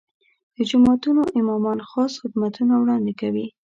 د جوماتونو امامان خاص خدمتونه وړاندې کوي.